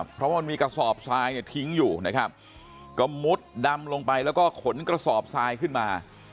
เพราะมันมีกระสอบทรายเนี่ยทิ้งอยู่นะครับก็มุดดำลงไปแล้วก็ขนกระสอบทรายขึ้นมา